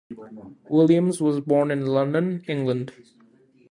Williams was born in London, England.